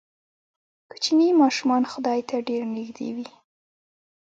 کوچني ماشومان خدای ته ډېر نږدې وي.